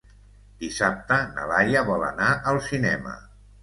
Dissabte na Laia vol anar al cinema.